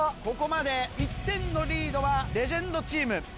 ここまで１点のリードはレジェンドチーム。